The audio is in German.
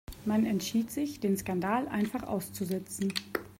Man entschied sich, den Skandal einfach auszusitzen.